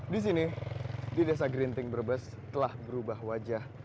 di sini di desa gerinting brebes telah berubah wajah